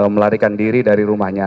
melarikan diri dari rumahnya